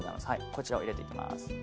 こちらを入れていきます。